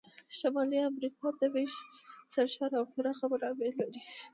شمالي امریکا طبیعي سرشاره او پراخه منابع لري.